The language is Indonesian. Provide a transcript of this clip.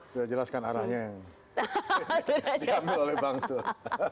sudah jelaskan arahnya yang diambil oleh bang zul